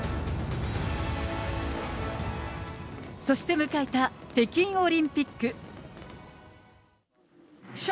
そして迎えた北京オリンピック。